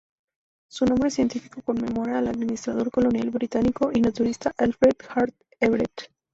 Su nombre científico conmemora al administrador colonial británico y naturalista Alfred Hart Everett.